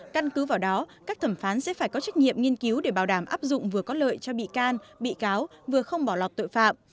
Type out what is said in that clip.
căn cứ vào đó các thẩm phán sẽ phải có trách nhiệm nghiên cứu để bảo đảm áp dụng vừa có lợi cho bị can bị cáo vừa không bỏ lọt tội phạm